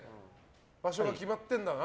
場所が決まってるんだな。